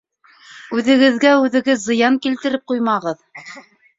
Үҙегеҙгә үҙегеҙ зыян килтереп ҡуймағыҙ.